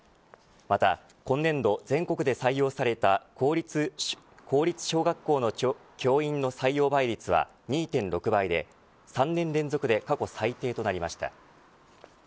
また今年度全国で採用された公立小学校の教員の採用倍率は２．６倍で３年連続で過去最低となりました。